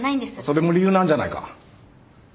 それも理由なんじゃないか！